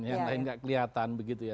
yang lain nggak kelihatan begitu ya